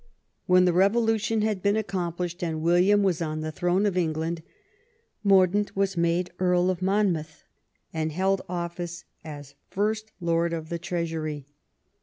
When the revolution had been accomplished, and William was on the throne of England, Mordaunt was made Earl of Monmouth, and held ofiice as First Lord of the Treasury.